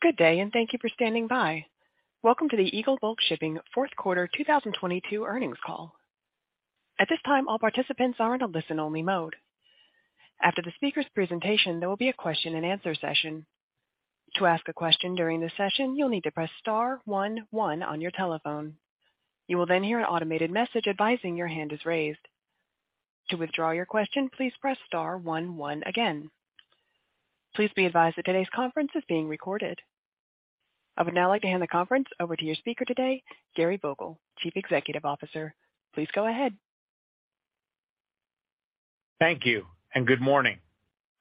Good day. Thank you for standing by. Welcome to the Eagle Bulk Shipping Fourth Quarter 2022 Earnings Call. At this time, all participants are in a listen-only mode. After the speaker's presentation, there will be a question-and-answer session. To ask a question during this session, you'll need to press star one one on your telephone. You will hear an automated message advising your hand is raised. To withdraw your question, please press star one one again. Please be advised that today's conference is being recorded. I would now like to hand the conference over to your speaker today, Gary Vogel, Chief Executive Officer. Please go ahead. Thank you and good morning.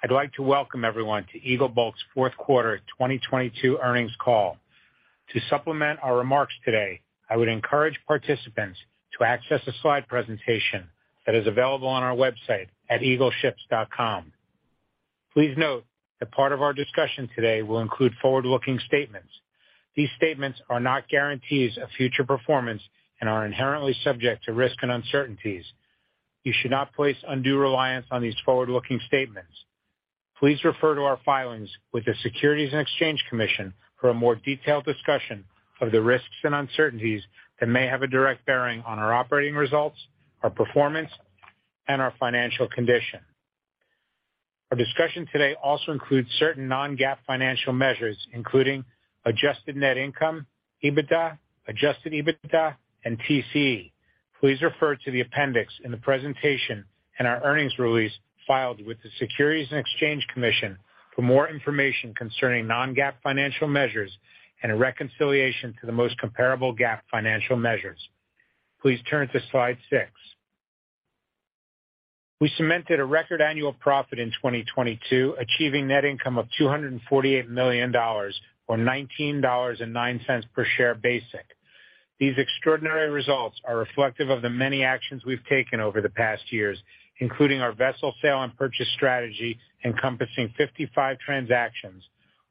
I'd like to welcome everyone to Eagle Bulk's fourth quarter 2022 earnings call. To supplement our remarks today, I would encourage participants to access a slide presentation that is available on our website at eagleships.com. Please note that part of our discussion today will include forward-looking statements. These statements are not guarantees of future performance and are inherently subject to risks and uncertainties. You should not place undue reliance on these forward-looking statements. Please refer to our filings with the Securities and Exchange Commission for a more detailed discussion of the risks and uncertainties that may have a direct bearing on our operating results, our performance, and our financial condition. Our discussion today also includes certain non-GAAP financial measures, including adjusted net income, EBITDA, Adjusted EBITDA, and TCE. Please refer to the appendix in the presentation and our earnings release filed with the Securities and Exchange Commission for more information concerning non-GAAP financial measures and a reconciliation to the most comparable GAAP financial measures. Please turn to slide slide. We cemented a record annual profit in 2022, achieving net income of $248 million or $19.09 per share basic. These extraordinary results are reflective of the many actions we've taken over the past years, including our vessel sale and purchase strategy encompassing 55 transactions,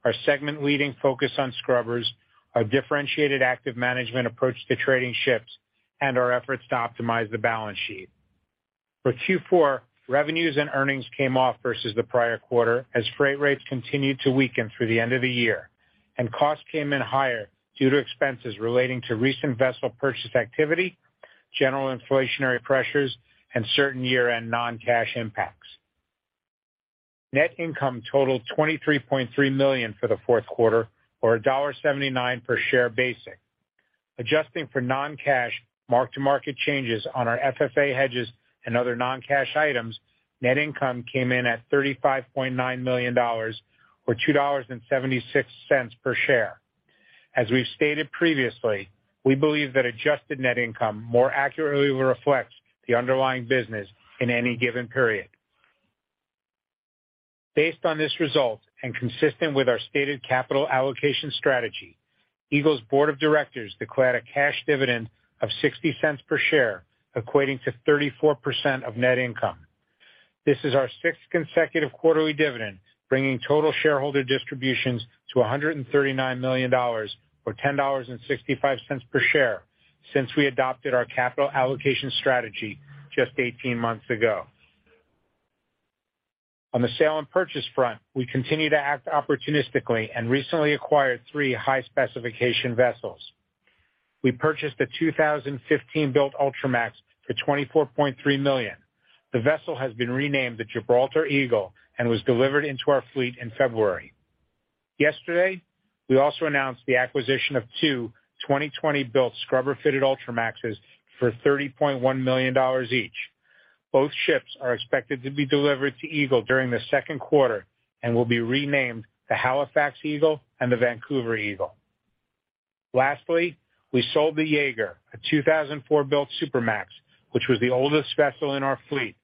our segment-leading focus on scrubbers, our differentiated active management approach to trading ships, and our efforts to optimize the balance sheet. For Q4, revenues and earnings came off versus the prior quarter as freight rates continued to weaken through the end of the year, and costs came in higher due to expenses relating to recent vessel purchase activity, general inflationary pressures, and certain year-end non-cash impacts. Net income totaled $23.3 million for the fourth quarter or $1.79 per share basic. Adjusting for non-cash mark-to-market changes on our FFA hedges and other non-cash items, net income came in at $35.9 million or $2.76 per share. As we've stated previously, we believe that adjusted net income more accurately reflects the underlying business in any given period. Based on this result and consistent with our stated capital allocation strategy, Eagle's board of directors declared a cash dividend of $0.60 per share, equating to 34% of net income. This is our 6th consecutive quarterly dividend, bringing total shareholder distributions to $139 million or $10.65 per share since we adopted our capital allocation strategy just 18 months ago. On the sale and purchase front, we continue to act opportunistically and recently acquired three high-specification vessels. We purchased a 2015-built Ultramax for $24.3 million. The vessel has been renamed the Gibraltar Eagle and was delivered into our fleet in February. Yesterday, we also announced the acquisition of two 2020-built scrubber-fitted Ultramaxes for $30.1 million each. Both ships are expected to be delivered to Eagle during the 2nd quarter and will be renamed the Halifax Eagle and the Vancouver Eagle. Lastly, we sold the Jaeger, a 2004-built Supramax, which was the oldest vessel in our fleet,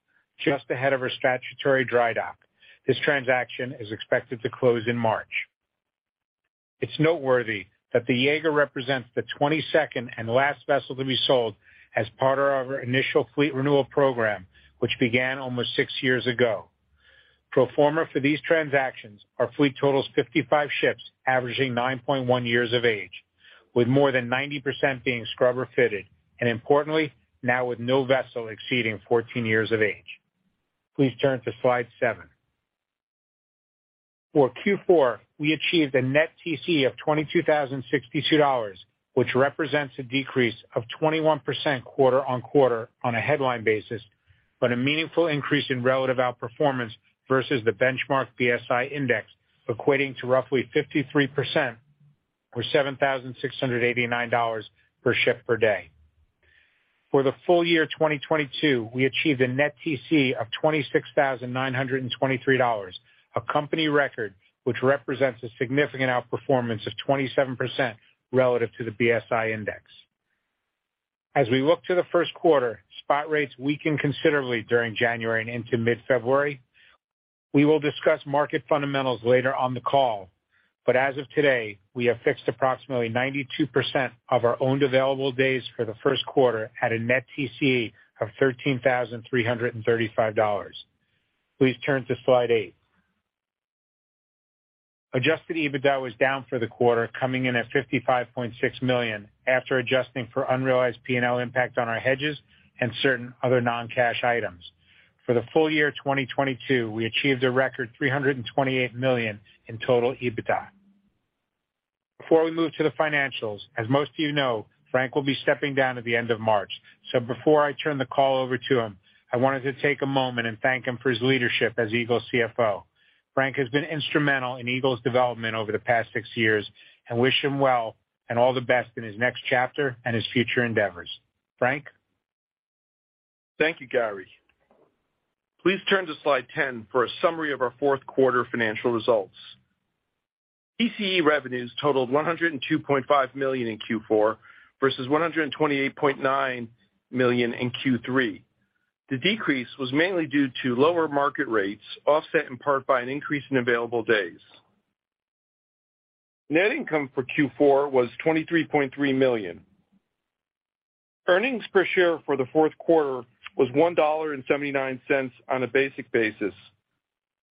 just ahead of her statutory dry dock. This transaction is expected to close in March. It's noteworthy that the Jaeger represents the 22nd and last vessel to be sold as part of our initial fleet renewal program, which began almost six years ago. Pro forma for these transactions, our fleet totals 55 ships averaging 9.1 years of age, with more than 90% being scrubber-fitted and importantly, now with no vessel exceeding 14 years of age. Please turn to slide seven. For Q4, we achieved a net TCE of $22,062, which represents a decrease of 21% quarter-on-quarter on a headline basis, a meaningful increase in relative outperformance versus the benchmark BSI index, equating to roughly 53% or $7,689 per ship per day. For the full year 2022, we achieved a net TCE of $26,923, a company record which represents a significant outperformance of 27% relative to the BSI index. As we look to the first quarter, spot rates weakened considerably during January and into mid-February. We will discuss market fundamentals later on the call. As of today, we have fixed approximately 92% of our owned available days for the first quarter at a net TCE of $13,335. Please turn to slide eight. Adjusted EBITDA was down for the quarter, coming in at $55.6 million after adjusting for unrealized P&L impact on our hedges and certain other non-cash items. For the full year 2022, we achieved a record $328 million in total EBITDA. Before we move to the financials, as most of you know, Frank will be stepping down at the end of March. Before I turn the call over to him, I wanted to take a moment and thank him for his leadership as Eagle's CFO. Frank has been instrumental in Eagle's development over the past six years, and wish him well and all the best in his next chapter and his future endeavors. Frank. Thank you, Gary. Please turn to slide 10 for a summary of our fourth quarter financial results. TCE revenues totaled $102.5 million in Q4 versus $128.9 million in Q3. The decrease was mainly due to lower market rates, offset in part by an increase in available days. Net income for Q4 was $23.3 million. Earnings per share for the fourth quarter was $1.79 on a basic basis.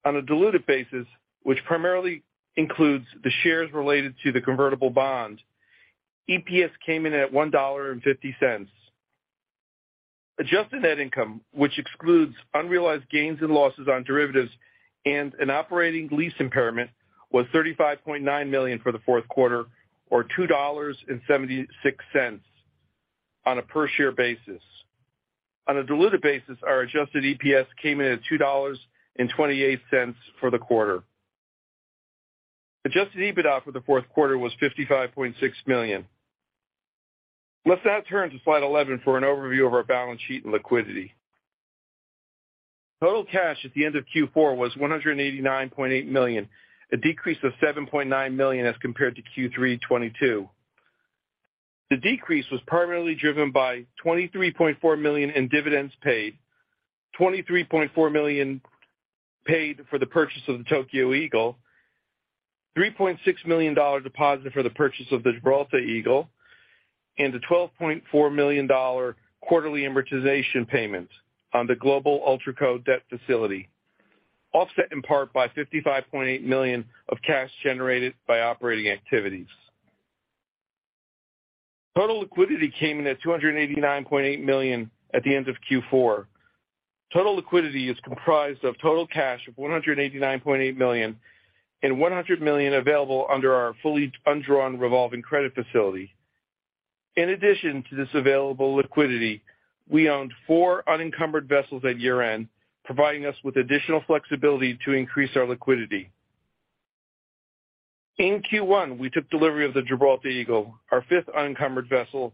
On a diluted basis, which primarily includes the shares related to the convertible bond, EPS came in at $1.50. Adjusted net income, which excludes unrealized gains and losses on derivatives and an operating lease impairment, was $35.9 million for the fourth quarter or $2.76 on a per share basis. On a diluted basis, our adjusted EPS came in at $2.28 for the quarter. Adjusted EBITDA for the fourth quarter was $55.6 million. Let's now turn to slide 11 for an overview of our balance sheet and liquidity. Total cash at the end of Q4 was $189.8 million, a decrease of $7.9 million as compared to Q3 2022. The decrease was primarily driven by $23.4 million in dividends paid, $23.4 million paid for the purchase of the Tokyo Eagle, $3.6 million deposit for the purchase of the Gibraltar Eagle, and a $12.4 million quarterly amortization payment on the Global Ultraco Debt Facility, offset in part by $55.8 million of cash generated by operating activities. Total liquidity came in at $289.8 million at the end of Q4. Total liquidity is comprised of total cash of $189.8 million and $100 million available under our fully undrawn revolving credit facility. In addition to this available liquidity, we owned four unencumbered vessels at year-end, providing us with additional flexibility to increase our liquidity. In Q1 we took delivery of the Gibraltar Eagle, our fifth unencumbered vessel.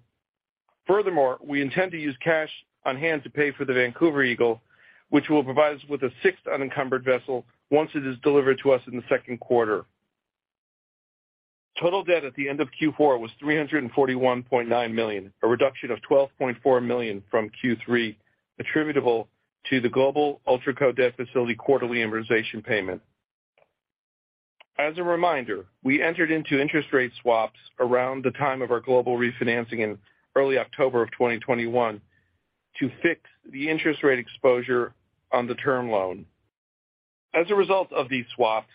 We intend to use cash on-hand to pay for the Vancouver Eagle, which will provide us with a sixth unencumbered vessel once it is delivered to us in the second quarter. Total debt at the end of Q4 was $341.9 million, a reduction of $12.4 million from Q3, attributable to the Global UltraCo Debt Facility quarterly amortization payment. As a reminder, we entered into interest rate swaps around the time of our global refinancing in early October of 2021 to fix the interest rate exposure on the term loan. As a result of these swaps,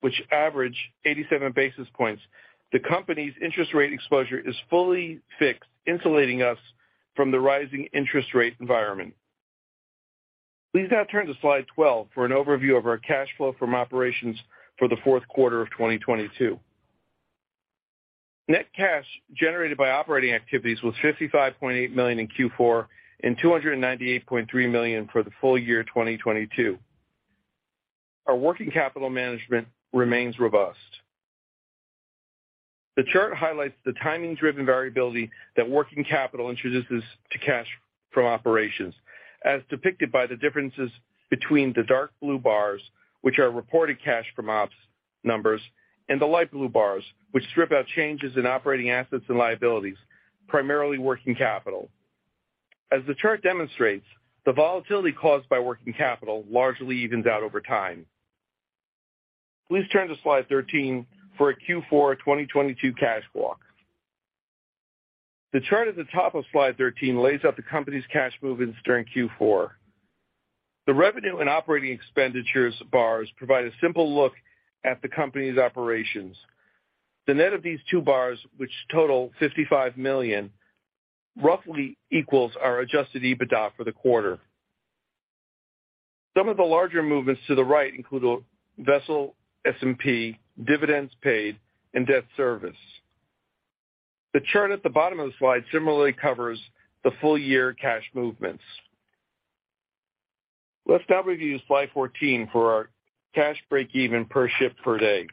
which average 87 basis points, the company's interest rate exposure is fully fixed, insulating us from the rising interest rate environment. Please now turn to slide 12 for an overview of our cash flow from operations for the fourth quarter of 2022. Net cash generated by operating activities was $55.8 million in Q4 and $298.3 million for the full year 2022. Our working capital management remains robust. The chart highlights the timing-driven variability that working capital introduces to cash from operations, as depicted by the differences between the dark blue bars, which are reported cash from ops numbers, and the light blue bars, which strip out changes in operating assets and liabilities, primarily working capital. As the chart demonstrates, the volatility caused by working capital largely evens out over time. Please turn to slide 13 for a Q4 2022 cash walk. The chart at the top of slide 13 lays out the company's cash movements during Q4. The revenue and operating expenditures bars provide a simple look at the company's operations. The net of these two bars, which total $55 million, roughly equals our Adjusted EBITDA for the quarter. Some of the larger movements to the right include vessel S&P, dividends paid, and debt service. The chart at the bottom of the slide similarly covers the full-year cash movements. Let's now review slide 14 for our cash breakeven per ship per day.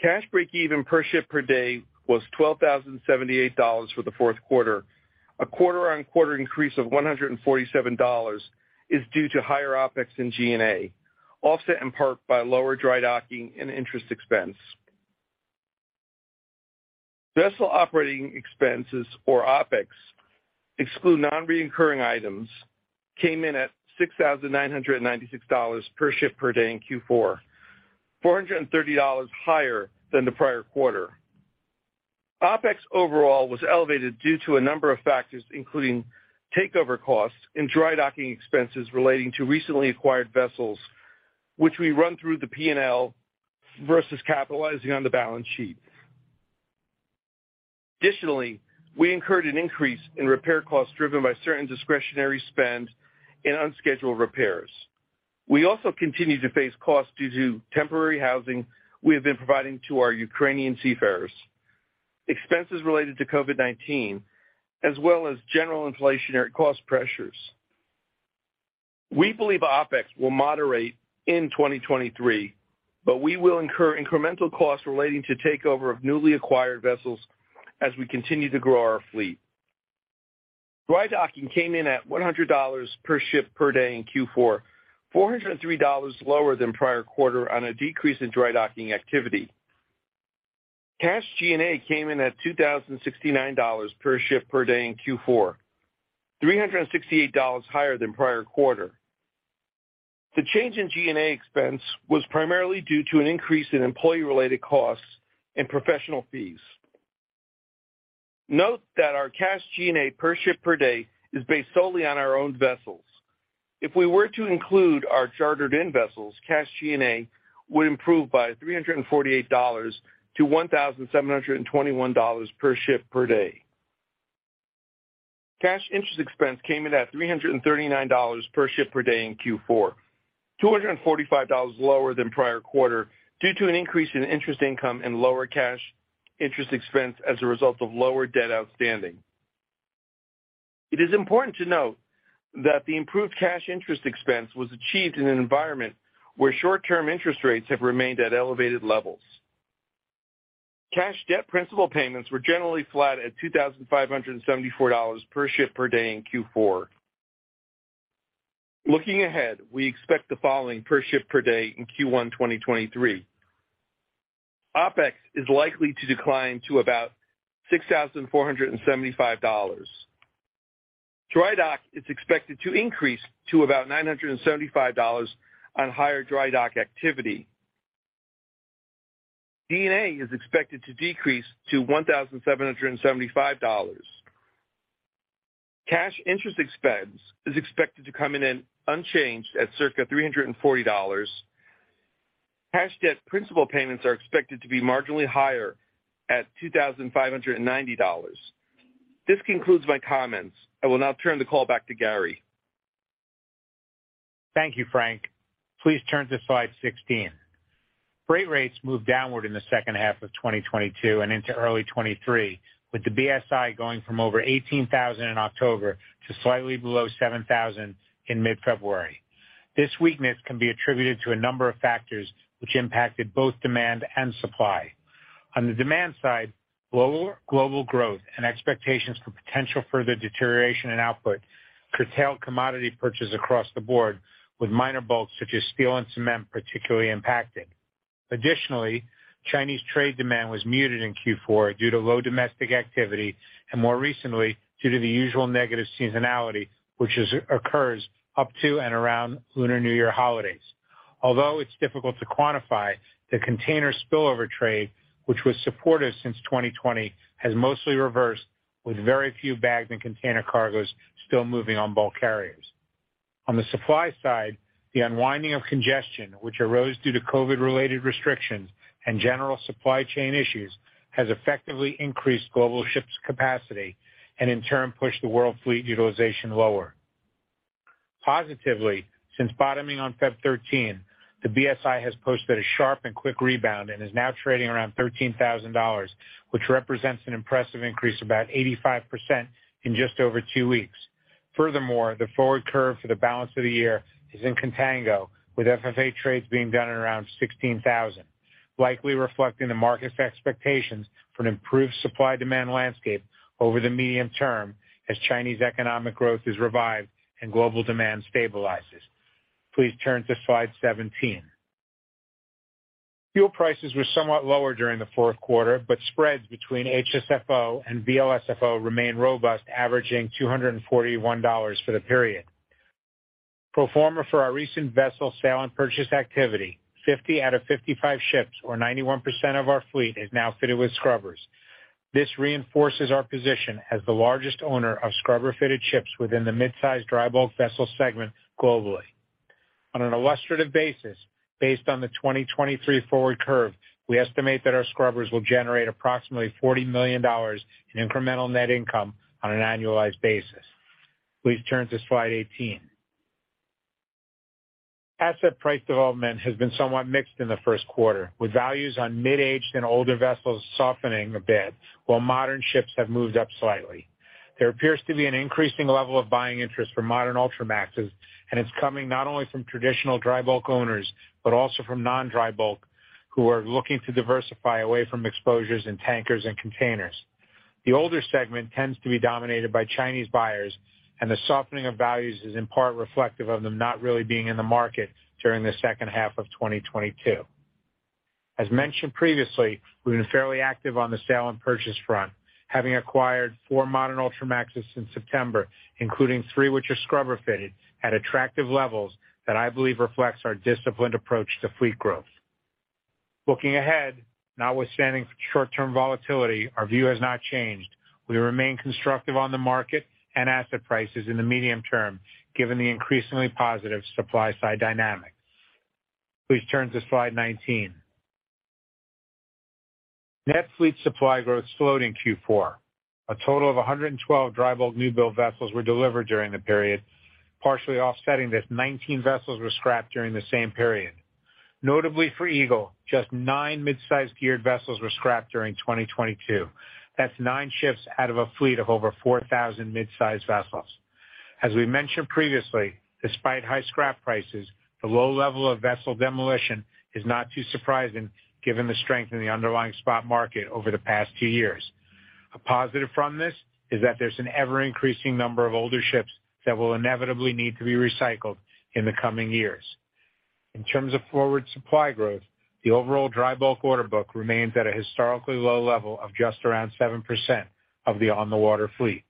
Cash breakeven per ship per day was $12,078 for the fourth quarter. A quarter-on-quarter increase of $147 is due to higher OpEx and G&A, offset in part by lower dry docking and interest expense. Vessel operating expenses or OpEx, exclude non-recurring items, came in at $6,996 per ship per day in Q4, $430 higher than the prior quarter. OpEx overall was elevated due to a number of factors, including takeover costs and dry docking expenses relating to recently acquired vessels, which we run through the P&L versus capitalizing on the balance sheet. We incurred an increase in repair costs driven by certain discretionary spend and unscheduled repairs. We also continue to face costs due to temporary housing we have been providing to our Ukrainian seafarers, expenses related to COVID-19, as well as general inflationary cost pressures. We believe OpEx will moderate in 2023. We will incur incremental costs relating to takeover of newly acquired vessels as we continue to grow our fleet. Dry docking came in at $100 per ship per day in Q4, $403 lower than prior quarter on a decrease in dry docking activity. Cash G&A came in at $2,069 per ship per day in Q4, $368 higher than prior quarter. The change in G&A expense was primarily due to an increase in employee-related costs and professional fees. Note that our cash G&A per ship per day is based solely on our own vessels. If we were to include our chartered-in vessels, cash G&A would improve by $348-$1,721 per ship per day. Cash interest expense came in at $339 per ship per day in Q4, $245 lower than prior quarter due to an increase in interest income and lower cash interest expense as a result of lower debt outstanding. It is important to note that the improved cash interest expense was achieved in an environment where short-term interest rates have remained at elevated levels. Cash debt principal payments were generally flat at $2,574 per ship per day in Q4. Looking ahead, we expect the following per ship per day in Q1-2023. OpEx is likely to decline to about $6,475. Dry dock is expected to increase to about $975 on higher dry dock activity. G&A is expected to decrease to $1,775. Cash interest expense is expected to come in unchanged at circa $340. Cash debt principal payments are expected to be marginally higher at $2,590. This concludes my comments. I will now turn the call back to Gary. Thank you, Frank. Please turn to slide 16. Freight rates moved downward in the second half of 2022 and into early 2023, with the BSI going from over 18,000 in October to slightly below 7,000 in mid-February. This weakness can be attributed to a number of factors which impacted both demand and supply. On the demand side, lower global growth and expectations for potential further deterioration in output curtailed commodity purchase across the board, with minor bulks such as steel and cement particularly impacted. Additionally, Chinese trade demand was muted in Q4 due to low domestic activity, and more recently, due to the usual negative seasonality which occurs up to and around Lunar New Year holidays. Although it's difficult to quantify, the container spillover trade, which was supportive since 2020, has mostly reversed, with very few bagged and container cargoes still moving on bulk carriers. On the supply side, the unwinding of congestion, which arose due to COVID-related restrictions and general supply chain issues, has effectively increased global ships capacity and in turn, pushed the world fleet utilization lower. Positively, since bottoming on February 13th, the BSI has posted a sharp and quick rebound and is now trading around $13,000, which represents an impressive increase of about 85% in just over two weeks. The forward curve for the balance of the year is in contango, with FFA trades being done at around $16,000, likely reflecting the market's expectations for an improved supply-demand landscape over the medium term as Chinese economic growth is revived and global demand stabilizes. Please turn to slide 17. Fuel prices were somewhat lower during the fourth quarter, but spreads between HSFO and VLSFO remain robust, averaging $241 for the period. Pro forma for our recent vessel sale and purchase activity, 50 out of 55 ships or 91% of our fleet is now fitted with scrubbers. This reinforces our position as the largest owner of scrubber-fitted ships within the mid-sized dry bulk vessel segment globally. On an illustrative basis, based on the 2023 forward curve, we estimate that our scrubbers will generate approximately $40 million in incremental net income on an annualized basis. Please turn to slide 18. Asset price development has been somewhat mixed in the first quarter, with values on mid-aged and older vessels softening a bit while modern ships have moved up slightly. There appears to be an increasing level of buying interest for modern Ultramaxes, and it's coming not only from traditional dry bulk owners, but also from non-dry bulk, who are looking to diversify away from exposures in tankers and containers. The older segment tends to be dominated by Chinese buyers, and the softening of values is in part reflective of them not really being in the market during the second half of 2022. As mentioned previously, we've been fairly active on the sale and purchase front, having acquired four modern Ultramaxes since September, including three which are scrubber-fitted at attractive levels that I believe reflects our disciplined approach to fleet growth. Looking ahead, notwithstanding short-term volatility, our view has not changed. We remain constructive on the market and asset prices in the medium term given the increasingly positive supply-side dynamic. Please turn to slide 19. Net fleet supply growth slowed in Q four. A total of 112 dry bulk new build vessels were delivered during the period, partially offsetting that 19 vessels were scrapped during the same period. Notably for Eagle Bulk, just nine mid-size geared vessels were scrapped during 2022. That's nine ships out of a fleet of over 4,000 mid-sized vessels. As we mentioned previously, despite high scrap prices, the low level of vessel demolition is not too surprising given the strength in the underlying spot market over the past two years. A positive from this is that there's an ever-increasing number of older ships that will inevitably need to be recycled in the coming years. In terms of forward supply growth, the overall dry bulk order book remains at a historically low level of just around 7% of the on-the-water fleet.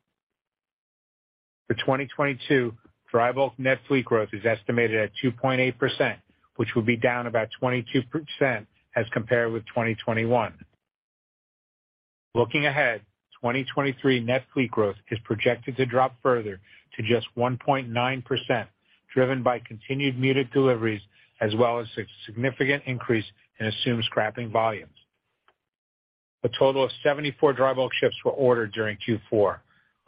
For 2022, dry bulk net fleet growth is estimated at 2.8%, which will be down about 22% as compared with 2021. Looking ahead, 2023 net fleet growth is projected to drop further to just 1.9%, driven by continued muted deliveries as well as a significant increase in assumed scrapping volumes. A total of 74 dry bulk ships were ordered during Q4,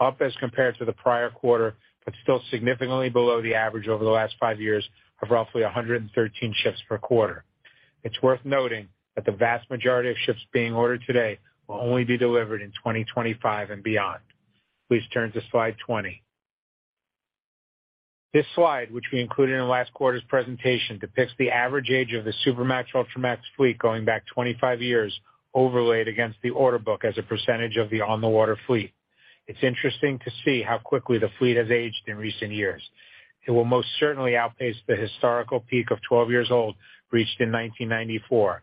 up as compared to the prior quarter, but still significantly below the average over the last five years of roughly 113 ships per quarter. It's worth noting that the vast majority of ships being ordered today will only be delivered in 2025 and beyond. Please turn to slide 20. This slide, which we included in last quarter's presentation, depicts the average age of the Supramax, Ultramax fleet going back 25 years, overlaid against the order book as a percentage of the on-the-water fleet. It's interesting to see how quickly the fleet has aged in recent years. It will most certainly outpace the historical peak of 12 years old, reached in 1994.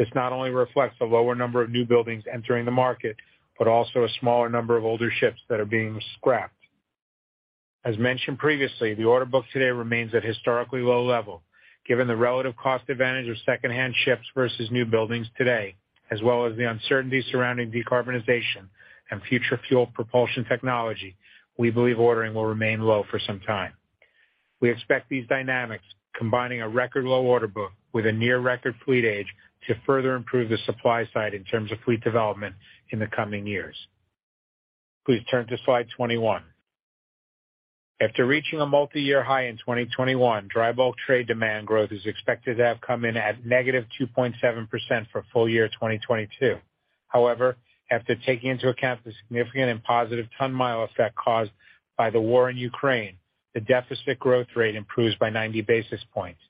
This not only reflects the lower number of new buildings entering the market, but also a smaller number of older ships that are being scrapped. As mentioned previously, the order book today remains at historically low level. Given the relative cost advantage of secondhand ships versus new buildings today, as well as the uncertainty surrounding decarbonization and future fuel propulsion technology, we believe ordering will remain low for some time. We expect these dynamics, combining a record low order book with a near record fleet age to further improve the supply side in terms of fleet development in the coming years. Please turn to slide 21. After reaching a multi-year high in 2021, dry bulk trade demand growth is expected to have come in at -2.7% for full year 2022. However, after taking into account the significant and positive ton-mile effect caused by the war in Ukraine, the deficit growth rate improves by 90 basis points.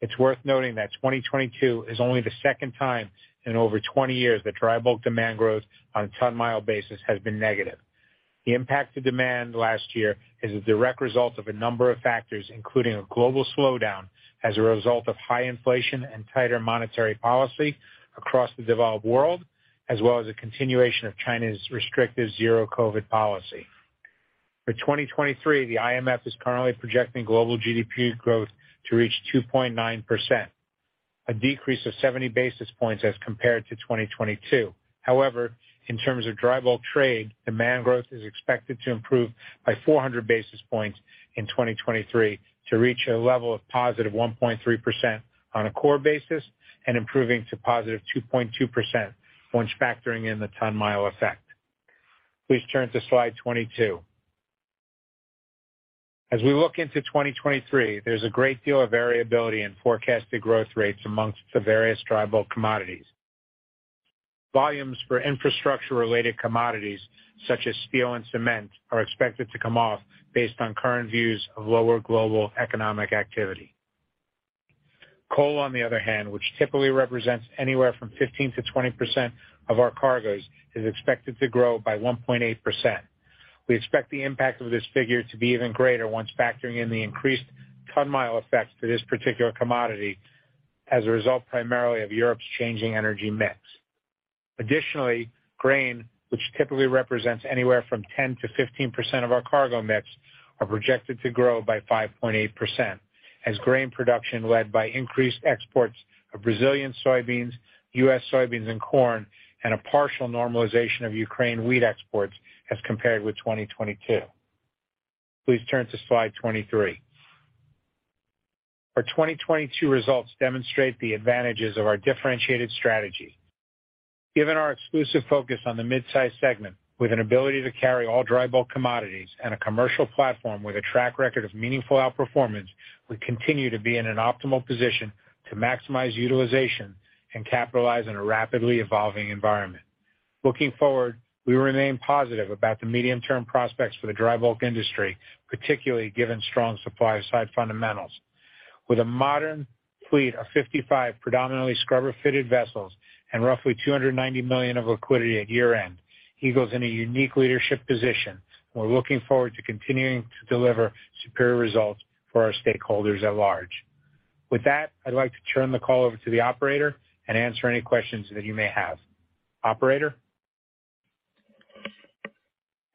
It's worth noting that 2022 is only the second time in over 20 years that dry bulk demand growth on a ton-mile basis has been negative. The impact to demand last year is a direct result of a number of factors, including a global slowdown as a result of high inflation and tighter monetary policy across the developed world, as well as a continuation of China's restrictive zero COVID policy. For 2023, the IMF is currently projecting global GDP growth to reach 2.9%, a decrease of 70 basis points as compared to 2022. In terms of dry bulk trade, demand growth is expected to improve by 400 basis points in 2023 to reach a level of positive 1.3% on a core basis and improving to positive 2.2% once factoring in the ton-mile effect. Please turn to slide 22. As we look into 2023, there's a great deal of variability in forecasted growth rates amongst the various dry bulk commodities. Volumes for infrastructure-related commodities such as steel and cement, are expected to come off based on current views of lower global economic activity. Coal, on the other hand, which typically represents anywhere from 15%-20% of our cargoes, is expected to grow by 1.8%. We expect the impact of this figure to be even greater once factoring in the increased ton-mile effects to this particular commodity as a result, primarily of Europe's changing energy mix. Additionally, grain, which typically represents anywhere from 10%-15% of our cargo mix, are projected to grow by 5.8% as grain production, led by increased exports of Brazilian soybeans, US soybeans and corn, and a partial normalization of Ukraine wheat exports as compared with 2022. Please turn to slide 23. Our 2022 results demonstrate the advantages of our differentiated strategy. Given our exclusive focus on the mid-size segment, with an ability to carry all dry bulk commodities and a commercial platform with a track record of meaningful outperformance, we continue to be in an optimal position to maximize utilization and capitalize on a rapidly evolving environment. Looking forward, we remain positive about the medium-term prospects for the dry bulk industry, particularly given strong supply side fundamentals. With a modern fleet of 55 predominantly scrubber-fitted vessels and roughly $290 million of liquidity at year-end, Eagle's in a unique leadership position. We're looking forward to continuing to deliver superior results for our stakeholders at large. With that, I'd like to turn the call over to the operator and answer any questions that you may have. Operator?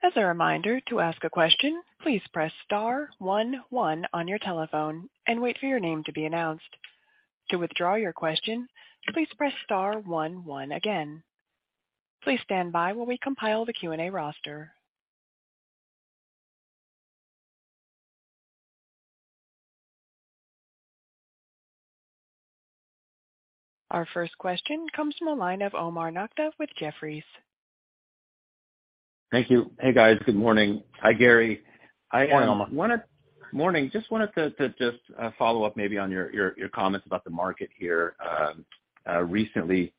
As a reminder, to ask a question, please press star one one on your telephone and wait for your name to be announced. To withdraw your question, please press star one one again. Please stand by while we compile the Q&A roster. Our first question comes from the line of Omar Nokta with Jefferies. Thank you. Hey, guys. Good morning. Hi, Gary. Morning, Omar. Morning. Just wanted to follow up maybe on your comments about the market here. Recently,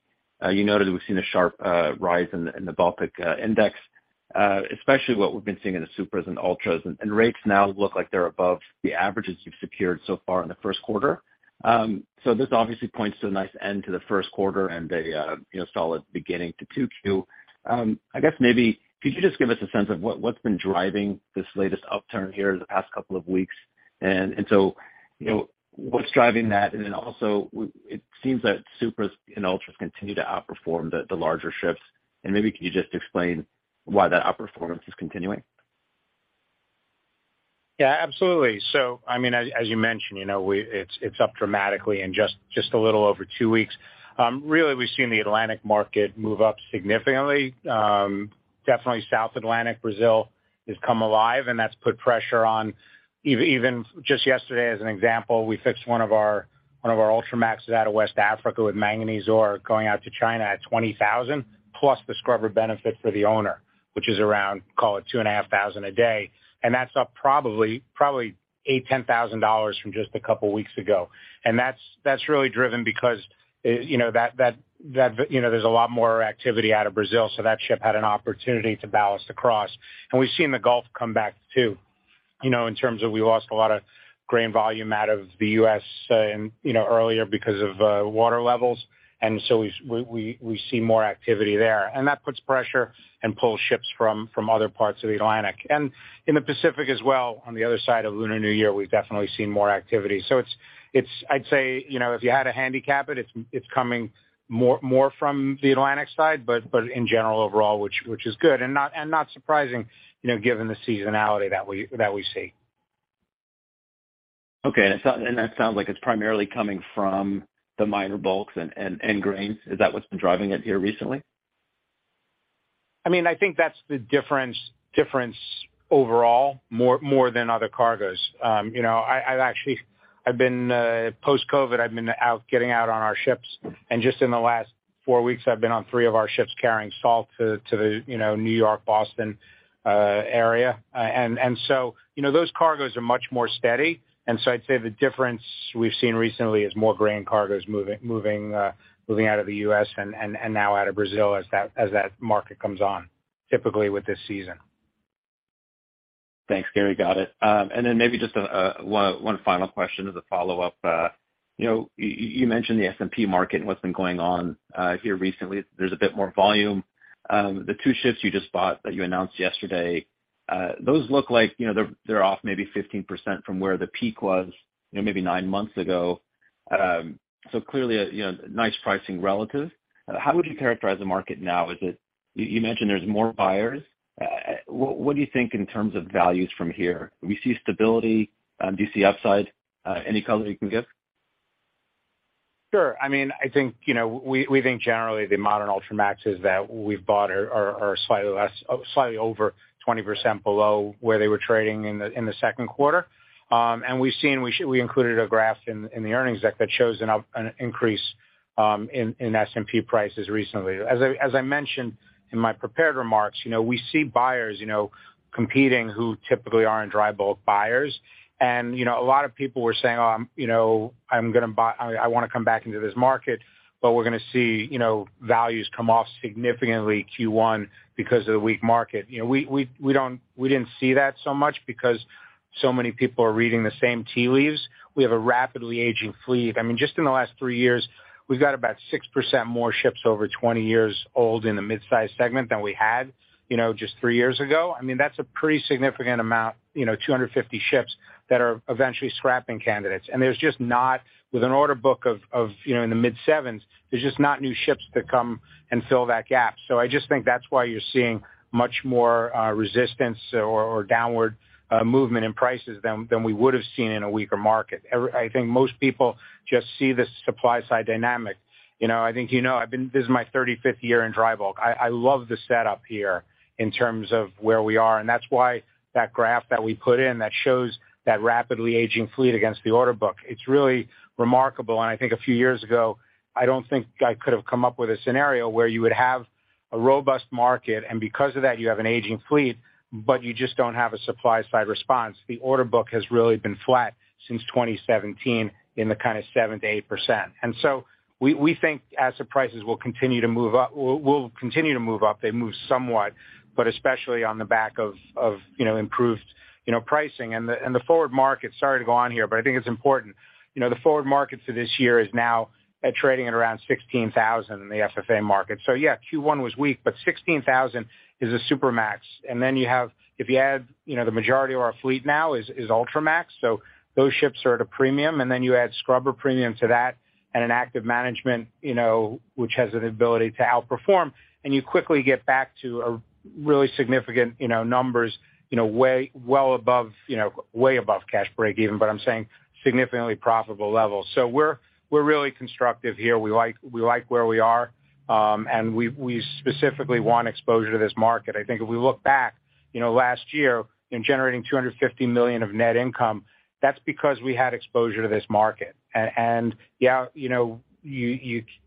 you noted that we've seen a sharp rise in the Baltic index, especially what we've been seeing in the Supras and Ultras. Rates now look like they're above the averages you've secured so far in the first quarter. This obviously points to a nice end to the first quarter and a, you know, solid beginning to 2Q. I guess maybe could you just give us a sense of what's been driving this latest upturn here in the past couple of weeks? You know, what's driving that? Also it seems that Supras and Ultras continue to outperform the larger ships. Maybe can you just explain why that outperformance is continuing? Yeah, absolutely. I mean, as you mentioned, you know, it's up dramatically in just a little over two weeks. Really we've seen the Atlantic market move up significantly. Definitely South Atlantic, Brazil has come alive and that's put pressure on even just yesterday as an example, we fixed one of our Ultramaxes out of West Africa with manganese ore going out to China at $20,000 plus the scrubber benefit for the owner, which is around, call it $2,500 a day. That's up probably $8,000-$10,000 from just a couple weeks ago. That's really driven because, you know, that, you know, there's a lot more activity out of Brazil, so that ship had an opportunity to ballast across. We've seen the Gulf come back too, you know, in terms of we lost a lot of grain volume out of the U.S., in, you know, earlier because of water levels. We see more activity there. That puts pressure and pulls ships from other parts of the Atlantic. In the Pacific as well, on the other side of Lunar New Year, we've definitely seen more activity. It's, I'd say, you know, if you had to handicap it's coming more from the Atlantic side, but in general overall, which is good and not surprising, you know, given the seasonality that we see. Okay. That sounds like it's primarily coming from the minor bulks and grains. Is that what's been driving it here recently? I mean, I think that's the difference overall, more than other cargoes. You know, I've actually, I've been post-COVID, I've been out getting out on our ships. Just in the last for weeks, I've been on three of our ships carrying salt to the, you know, New York, Boston area. So, you know, those cargoes are much more steady. So I'd say the difference we've seen recently is more grain cargoes moving out of the U.S. and now out of Brazil as that market comes on, typically with this season. Thanks, Gary. Got it. Maybe just one final question as a follow-up. You know, you mentioned the S&P market and what's been going on here recently. There's a bit more volume. The two ships you just bought that you announced yesterday, those look like, you know, they're off maybe 15% from where the peak was, you know, maybe nine months ago. Clearly, you know, nice pricing relative. How would you characterize the market now? Is it? You mentioned there's more buyers. What do you think in terms of values from here? Do we see stability? Do you see upside? Any color you can give? Sure. I mean, I think, you know, we think generally the modern Ultramaxes that we've bought are slightly less, slightly over 20% below where they were trading in the second quarter. We've seen, we included a graph in the earnings deck that shows an increase in S&P prices recently. As I mentioned in my prepared remarks, you know, we see buyers, you know, competing who typically aren't dry bulk buyers. A lot of people were saying, "Oh, I'm, you know, I wanna come back into this market," we're gonna see, you know, values come off significantly Q1 because of the weak market. You know, we didn't see that so much because so many people are reading the same tea leaves. We have a rapidly aging fleet. I mean, just in the last three years, we've got about 6% more ships over 20 years old in the mid-sized segment than we had, you know, just three years ago. I mean, that's a pretty significant amount, you know, 250 ships that are eventually scrapping candidates. There's just not with an order book of, you know, in the mid-70s, there's just not new ships to come and fill that gap. I just think that's why you're seeing much more resistance or downward movement in prices than we would have seen in a weaker market. I think most people just see the supply side dynamic. You know, I think you know, I've been, this is my 35th year in dry bulk. I love the setup here in terms of where we are, and that's why that graph that we put in that shows that rapidly aging fleet against the order book, it's really remarkable. I think a few years ago, I don't think I could have come up with a scenario where you would have a robust market, and because of that, you have an aging fleet, but you just don't have a supply side response. The order book has really been flat since 2017 in the kind of 7%-8%. We think asset prices will continue to move up. They move somewhat, but especially on the back of, you know, improved, you know, pricing. The forward market, sorry to go on here, but I think it's important. You know, the forward market for this year is now trading at around $16,000 in the FFA market. Yeah, Q1 was weak, but $16,000 is a Supramax. Then you have, if you add, you know, the majority of our fleet now is Ultramax. Those ships are at a premium, and then you add scrubber premium to that and an active management, you know, which has an ability to outperform, and you quickly get back to really significant, you know, numbers, you know, well above, you know, way above cash break even, but I'm saying significantly profitable levels. We're really constructive here. We like where we are, and we specifically want exposure to this market. I think if we look back. You know, last year in generating $250 million of net income, that's because we had exposure to this market. Yeah, you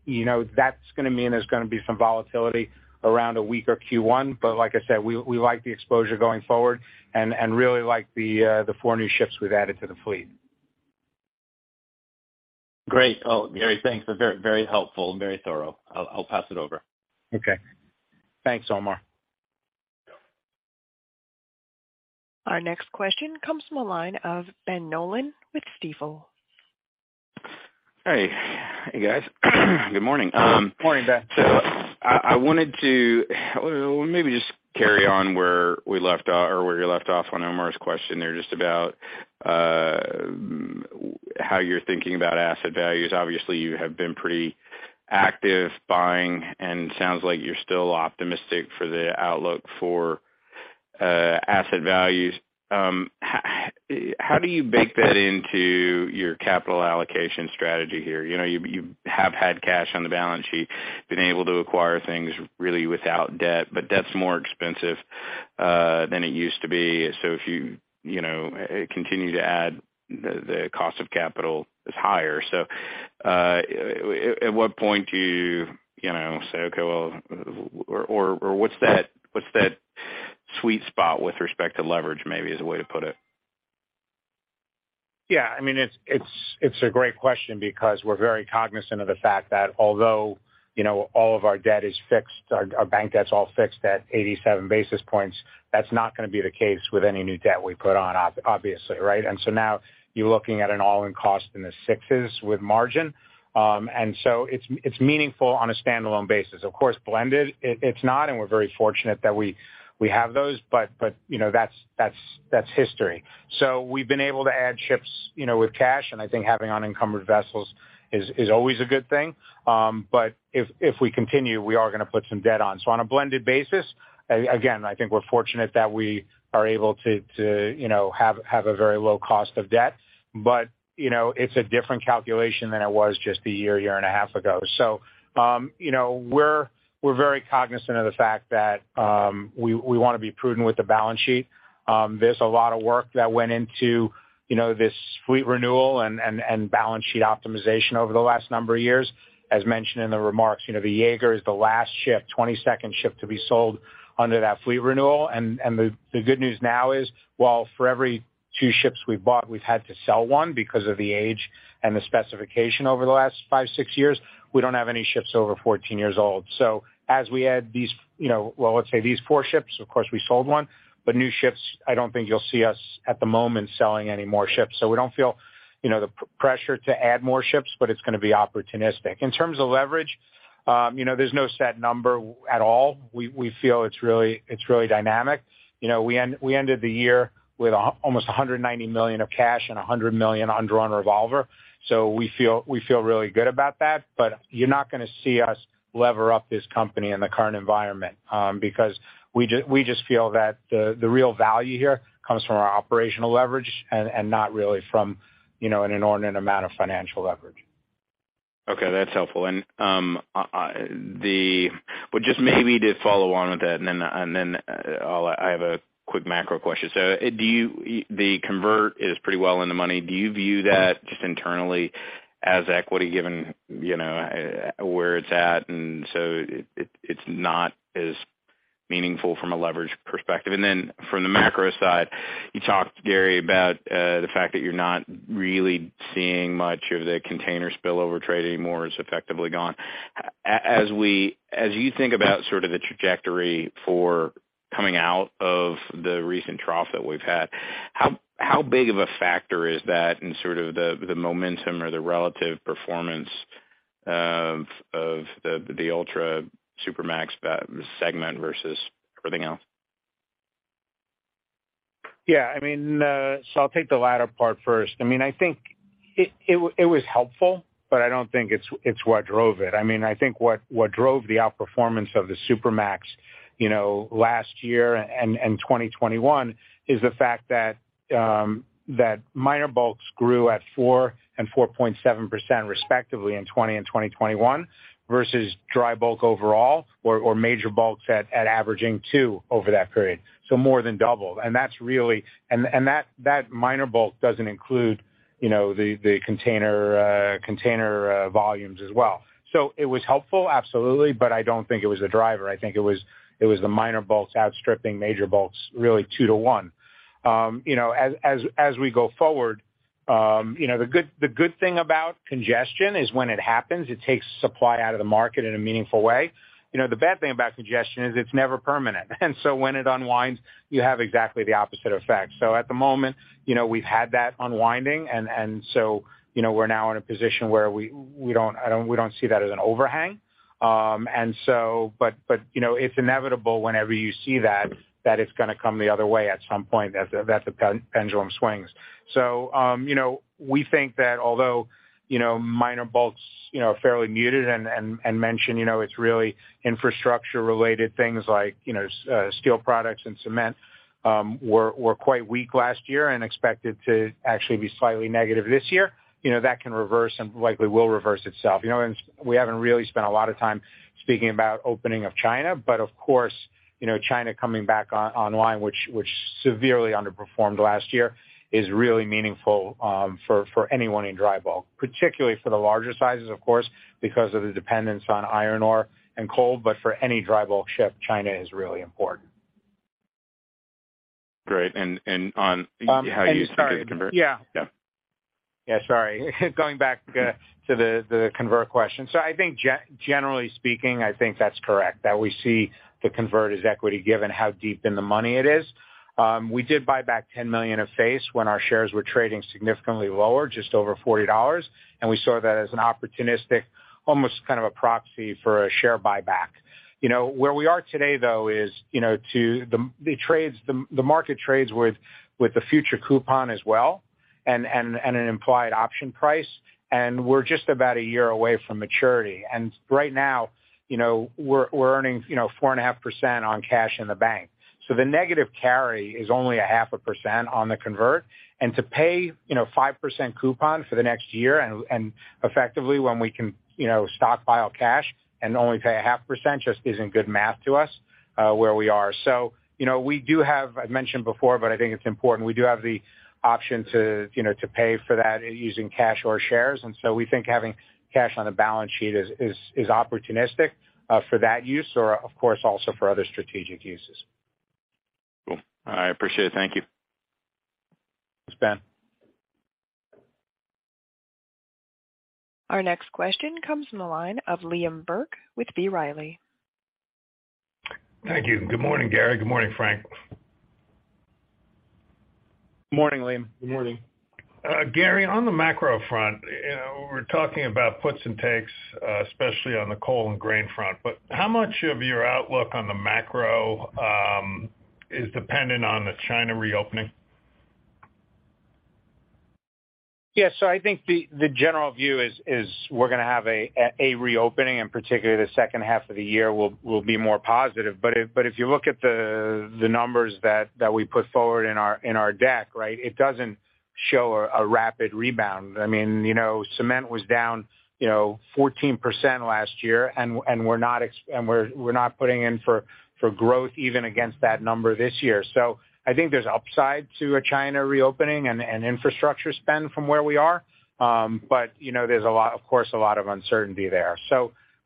know, that's gonna mean there's gonna be some volatility around a weaker Q1. Like I said, we like the exposure going forward and really like the four new ships we've added to the fleet. Great. Oh, Gary, thanks. Very, very helpful and very thorough. I'll pass it over. Okay. Thanks, Omar. Our next question comes from the line of Ben Nolan with Stifel. Hey. Hey, guys. Good morning. Morning, Ben. I wanted to maybe just carry on where we left off or where you left off on Omar's question there, just about how you're thinking about asset values. Obviously, you have been pretty active buying, and sounds like you're still optimistic for the outlook for asset values. How do you bake that into your capital allocation strategy here? You know, you have had cash on the balance sheet, been able to acquire things really without debt, but debt's more expensive than it used to be. If you know, continue to add, the cost of capital is higher. At what point do you know, say, "Okay, well" Or what's that sweet spot with respect to leverage maybe is a way to put it? Yeah, I mean, it's a great question because we're very cognizant of the fact that although, you know, all of our debt is fixed, our bank debt's all fixed at 87 basis points, that's not gonna be the case with any new debt we put on obviously, right? Now you're looking at an all-in cost in the sixes with margin. It's meaningful on a standalone basis. Of course, blended it's not, we're very fortunate that we have those, but, you know, that's history. We've been able to add ships, you know, with cash, I think having unencumbered vessels is always a good thing. If we continue, we are gonna put some debt on. On a blended basis, again, I think we're fortunate that we are able to, you know, have a very low cost of debt. You know, it's a different calculation than it was just a year and a half ago. You know, we're very cognizant of the fact that, we wanna be prudent with the balance sheet. There's a lot of work that went into, you know, this fleet renewal and balance sheet optimization over the last number of years. As mentioned in the remarks, you know, the Jaeger is the last ship, 22nd ship to be sold under that fleet renewal. The good news now is, while for every two ships we've bought, we've had to sell one because of the age and the specification over the last five, six years, we don't have any ships over 14 years old. As we add these, you know, well, let's say these four ships, of course, we sold one, but new ships, I don't think you'll see us at the moment selling any more ships. We don't feel, you know, the pressure to add more ships, but it's gonna be opportunistic. In terms of leverage, you know, there's no set number at all. We feel it's really, it's really dynamic. You know, we ended the year with almost $190 million of cash and $100 million undrawn revolver. We feel really good about that, but you're not gonna see us lever up this company in the current environment, because we just feel that the real value here comes from our operational leverage and not really from, you know, an inordinate amount of financial leverage. Okay, that's helpful. Well, just maybe to follow on with that, and then I'll have a quick macro question. Do you the convert is pretty well in the money. Do you view that just internally as equity given, you know, where it's at, and so it's not as meaningful from a leverage perspective? From the macro side, you talked, Gary, about the fact that you're not really seeing much of the container spillover trade anymore. It's effectively gone. As you think about sort of the trajectory for coming out of the recent trough that we've had, how big of a factor is that in sort of the momentum or the relative performance of the Supramax segment versus everything else? I mean, I'll take the latter part first. I mean, I think it was helpful, but I don't think it's what drove it. I mean, I think what drove the outperformance of the Supramax, you know, last year and 2021 is the fact that minor bulks grew at 4% and 4.7% respectively in 2020 and 2021 versus drybulk overall or major bulks at averaging 2% over that period. More than doubled. That's really. That minor bulk doesn't include, you know, the container volumes as well. It was helpful, absolutely, but I don't think it was a driver. I think it was the minor bulks outstripping major bulks really two to one. You know, as we go forward, you know, the good thing about congestion is when it happens, it takes supply out of the market in a meaningful way. You know, the bad thing about congestion is it's never permanent. When it unwinds, you have exactly the opposite effect. At the moment, you know, we've had that unwinding and so, you know, we don't see that as an overhang. You know, it's inevitable whenever you see that it's gonna come the other way at some point as the pendulum swings. We think that although, you know, minor bulks, you know, are fairly muted and mentioned, you know, it's really infrastructure-related things like, you know, steel products and cement were quite weak last year and expected to actually be slightly negative this year. You know, that can reverse and likely will reverse itself. We haven't really spent a lot of time speaking about opening of China, but of course, you know, China coming back on-online, which severely underperformed last year, is really meaningful for anyone in dry bulk, particularly for the larger sizes, of course, because of the dependence on iron ore and coal. For any dry bulk ship, China is really important. Great. On how you see the convert? Yeah. Yeah. Yeah, sorry. Going back to the convert question. I think generally speaking, I think that's correct, that we see the convert as equity given how deep in the money it is. We did buy back $10 million of face when our shares were trading significantly lower, just over $40. We saw that as an opportunistic, almost kind of a proxy for a share buyback. You know, where we are today, though, is, you know, to the trades the market trades with the future coupon as well and an implied option price. We're just about a year away from maturity. Right now, you know, we're earning, you know, 4.5% on cash in the bank. The negative carry is only 0.5% on the convert. To pay, you know, 5% coupon for the next year and effectively when we can, you know, stockpile cash and only pay a 0.5% just isn't good math to us, where we are. You know, we do have, I've mentioned before, but I think it's important, we do have the option to, you know, to pay for that using cash or shares. We think having cash on the balance sheet is, is opportunistic, for that use or of course, also for other strategic uses. Cool. I appreciate it. Thank you. Thanks, Ben. Our next question comes from the line of Liam Burke with B. Riley. Thank you. Good morning, Gary. Good morning, Frank. Morning, Liam. Good morning. Gary, on the macro front, you know, we're talking about puts and takes, especially on the coal and grain front, how much of your outlook on the macro is dependent on the China reopening? Yeah. I think the general view is we're gonna have a reopening and particularly the second half of the year will be more positive. If you look at the numbers that we put forward in our deck, right? It doesn't show a rapid rebound. I mean, you know, cement was down, you know, 14% last year, and we're not putting in for growth even against that number this year. I think there's upside to a China reopening and infrastructure spend from where we are. You know, there's a lot, of course, a lot of uncertainty there.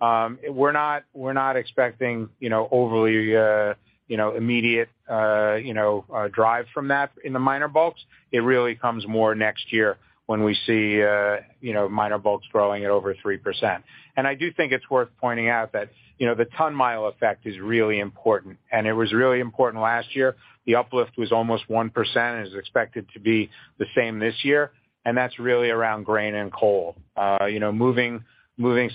We're not expecting, you know, overly, you know, immediate, you know, drive from that in the minor bulks. It really comes more next year when we see, you know, minor bulks growing at over 3%. I do think it's worth pointing out that, you know, the ton-mile effect is really important, and it was really important last year. The uplift was almost 1%, and it's expected to be the same this year. That's really around grain and coal. You know, moving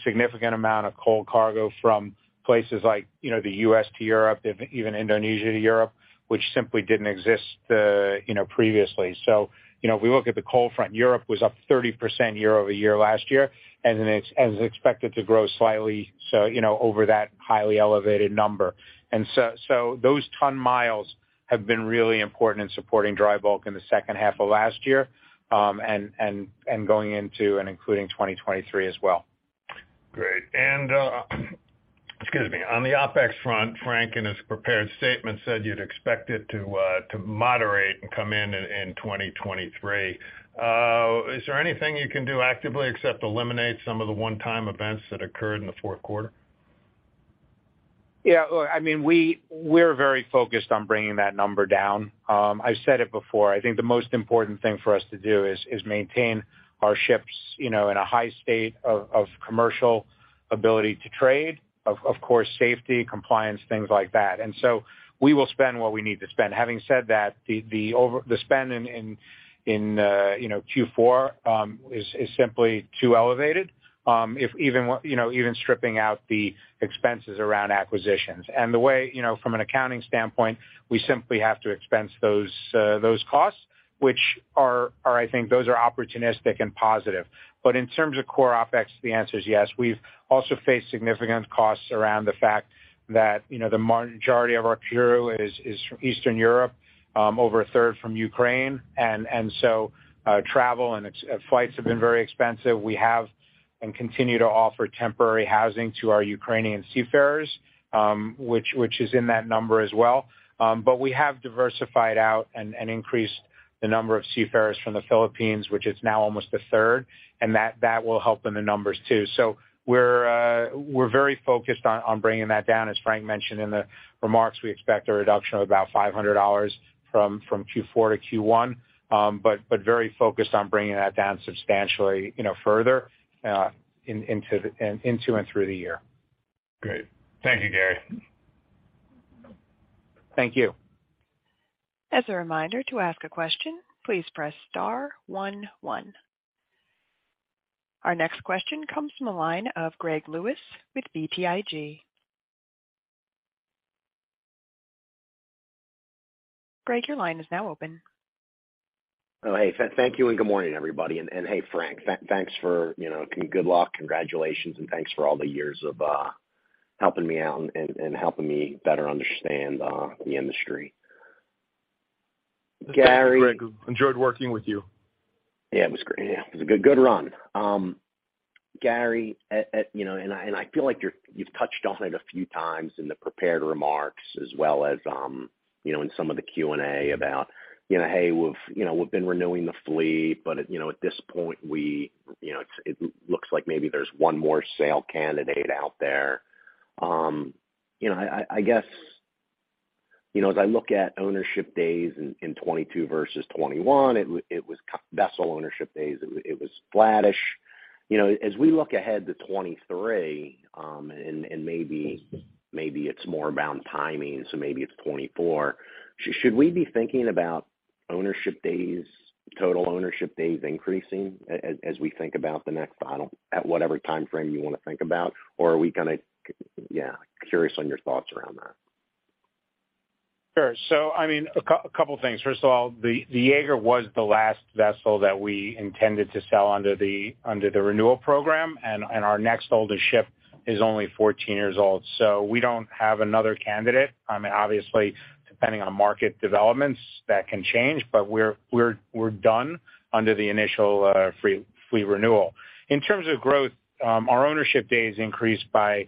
significant amount of coal cargo from places like, you know, the U.S. to Europe, even Indonesia to Europe, which simply didn't exist, you know, previously. You know, if we look at the coal front, Europe was up 30% year-over-year last year, and is expected to grow slightly, so, you know, over that highly elevated number. So those ton-miles have been really important in supporting dry bulk in the second half of last year, and going into and including 2023 as well. Great. Excuse me. On the OpEx front, Frank, in his prepared statement, said you'd expect it to moderate and come in 2023. Is there anything you can do actively except eliminate some of the one-time events that occurred in the fourth quarter? Yeah. Look, I mean, we're very focused on bringing that number down. I've said it before, I think the most important thing for us to do is maintain our ships, you know, in a high state of commercial ability to trade, of course, safety, compliance, things like that. We will spend what we need to spend. Having said that, the spend in, you know, Q4 is simply too elevated, if even, you know, even stripping out the expenses around acquisitions. The way, you know, from an accounting standpoint, we simply have to expense those costs, which are, I think, those are opportunistic and positive. In terms of core OpEx, the answer is yes. We've also faced significant costs around the fact that, you know, the majority of our crew is from Eastern Europe, over a third from Ukraine. So, travel and its flights have been very expensive. We have and continue to offer temporary housing to our Ukrainian seafarers, which is in that number as well. But we have diversified out and increased the number of seafarers from the Philippines, which is now almost a third, and that will help in the numbers too. We're very focused on bringing that down. As Frank mentioned in the remarks, we expect a reduction of about $500 from Q4 to Q1. But very focused on bringing that down substantially, you know, further into and through the year. Great. Thank you, Gary. Thank you. As a reminder, to ask a question, please press star one one. Our next question comes from the line of Greg Lewis with BTIG. Greg, your line is now open. Oh, hey, thank you and good morning, everybody. Hey, Frank, thanks for, you know, good luck, congratulations, and thanks for all the years of helping me out and helping me better understand the industry. Gary. Thanks, Greg. Enjoyed working with you. Yeah, it was great. Yeah, it was a good run. Gary, you know, and I, and I feel like you've touched on it a few times in the prepared remarks as well as, you know, in some of the Q&A about, you know, hey, we've, you know, we've been renewing the fleet, but, you know, at this point, we, you know, it looks like maybe there's one more sale candidate out there. You know, I guess, you know, as I look at ownership days in 2022 versus 2021, it was vessel ownership days, it was flattish. You know, as we look ahead to 2023, and maybe it's more around timing, so maybe it's 2024. Should we be thinking about ownership days, total ownership days increasing as we think about the next, I don't, at whatever timeframe you wanna think about? Are we gonna? Yeah, curious on your thoughts around that. Sure. I mean, a couple things. First of all, the Jaeger was the last vessel that we intended to sell under the renewal program, and our next oldest ship is only 14 years old. We don't have another candidate. I mean, obviously, depending on market developments, that can change, but we're done under the initial fleet renewal. In terms of growth, our ownership days increased by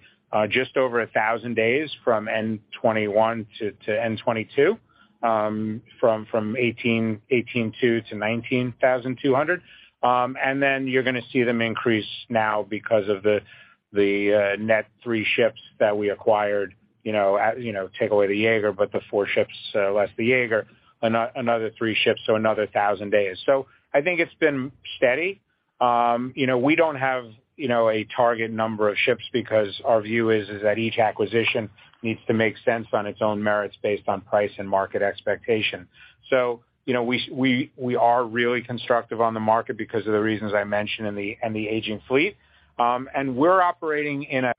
just over 1,000 days from end 2021 to end 2022, from 18,200 to 19,200. You're gonna see them increase now because of the net three ships that we acquired, you know, as, you know, take away the Jaeger, but the four ships less the Jaeger, another three ships, so another 1,000 days. I think it's been steady. You know, we don't have, you know, a target number of ships because our view is that each acquisition needs to make sense on its own merits based on price and market expectation. You know, we are really constructive on the market because of the reasons I mentioned and the, and the aging fleet. We're operating in a,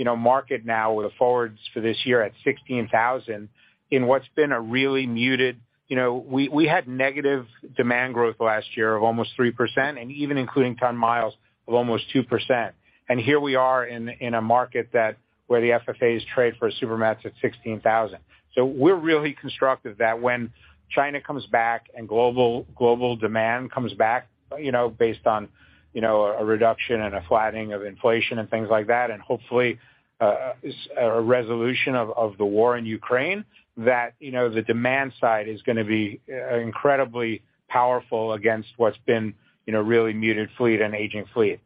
you know, market now with the forwards for this year at $16,000 in what's been a really muted... You know, we had negative demand growth last year of almost 3%, and even including ton-miles of almost 2%. Here we are in a market that where the FFAs trade for Supramax at $16,000. We're really constructive that when China comes back and global demand comes back, you know, based on, you know, a reduction and a flattening of inflation and things like that, and hopefully, a resolution of the war in Ukraine, that, you know, the demand side is gonna be incredibly powerful against what's been, you know, really muted fleet and aging fleet.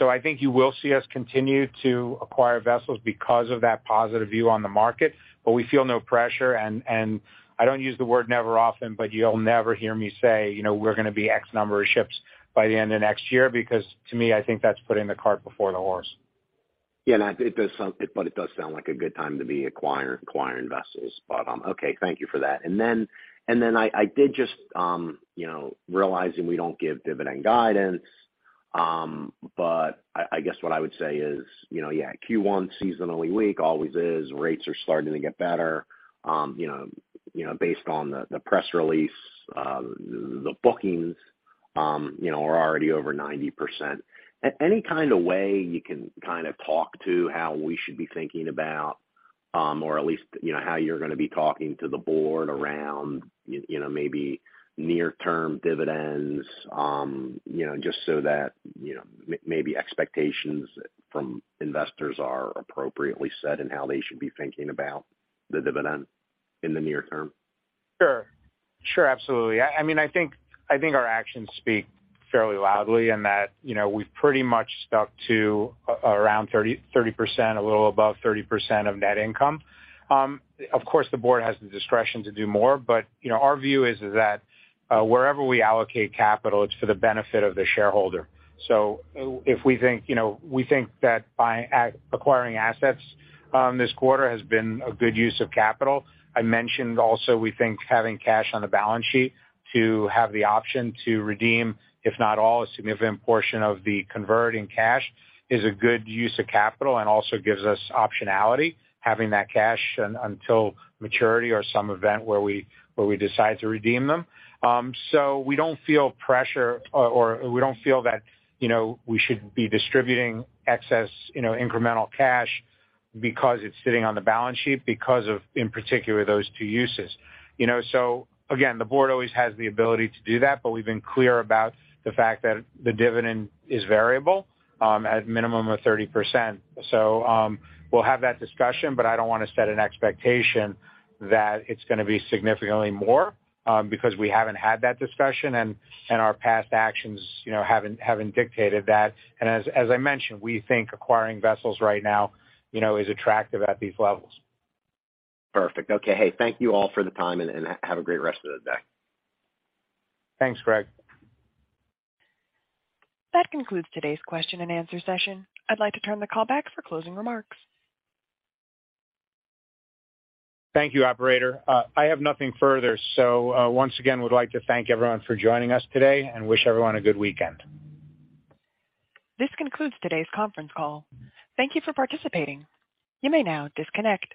I think you will see us continue to acquire vessels because of that positive view on the market, but we feel no pressure and I don't use the word never often, but you'll never hear me say, you know, we're gonna be X number of ships by the end of next year, because to me, I think that's putting the cart before the horse. No, it does sound like a good time to be acquiring vessels. Okay, thank you for that. Then I did just, you know, realizing we don't give dividend guidance, but I guess what I would say is, you know, yeah, Q1 seasonally weak, always is. Rates are starting to get better. You know, based on the press release, the bookings, you know, are already over 90%. Any kind of way you can kind of talk to how we should be thinking about, or at least, you know, how you're gonna be talking to the board around, you know, maybe near-term dividends, you know, just so that, you know, maybe expectations from investors are appropriately set and how they should be thinking about the dividend in the near term? Sure. Sure, absolutely. I mean, I think our actions speak fairly loudly in that, you know, we've pretty much stuck to around 30%, a little above 30% of net income. Of course, the board has the discretion to do more, but, you know, our view is that wherever we allocate capital, it's for the benefit of the shareholder. If we think, you know, we think that by acquiring assets, this quarter has been a good use of capital. I mentioned also we think having cash on the balance sheet to have the option to redeem, if not all, a significant portion of the convert in cash is a good use of capital and also gives us optionality, having that cash until maturity or some event where we decide to redeem them. We don't feel pressure or we don't feel that, you know, we should be distributing excess, you know, incremental cash because it's sitting on the balance sheet because of, in particular, those two uses. You know, again, the board always has the ability to do that, but we've been clear about the fact that the dividend is variable at minimum of 30%. We'll have that discussion, but I don't wanna set an expectation that it's gonna be significantly more because we haven't had that discussion and our past actions, you know, haven't dictated that. As I mentioned, we think acquiring vessels right now, you know, is attractive at these levels. Perfect. Okay. Hey, thank you all for the time, and have a great rest of the day. Thanks, Greg. That concludes today's question and answer session. I'd like to turn the call back for closing remarks. Thank you, operator. I have nothing further. Once again, would like to thank everyone for joining us today and wish everyone a good weekend. This concludes today's conference call. Thank you for participating. You may now disconnect.